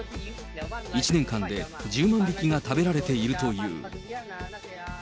１年間で１０万匹が食べられているという。